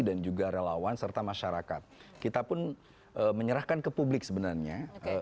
dan juga relawan serta masyarakat kita pun menyerahkan ke publik sebenarnya